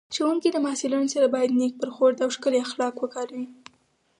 ښوونکی د محصلینو سره باید نېک برخورد او ښکلي اخلاق وکاروي